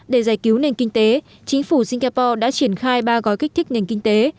để giải cứu nền kinh tế chính phủ singapore đã triển khai ba gói kích thích nền kinh tế